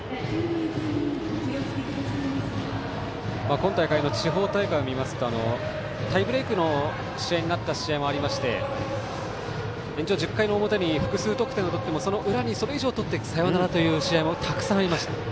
今大会の地方大会を見ますとタイブレークの試合になった試合もありまして延長１０回表に複数得点を取ってもその裏にそれ以上取ってサヨナラという試合もたくさんありました。